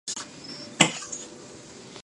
Doan appeared to have violated the Hatch Act.